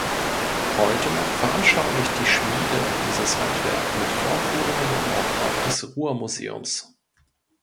Heute noch veranschaulicht die Schmiede dieses Handwerk mit Vorführungen im Auftrag des Ruhr Museums.